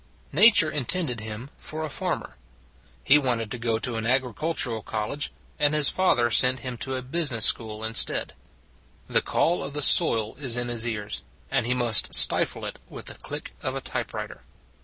Nature intended him for a farmer: he wanted to go to an agricultural college, and his father sent him to a business school instead. The call of the soil is in his ears, and he must stifle it with the click of a typewriter.